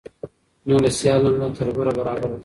نه له سیال نه له تربوره برابر دی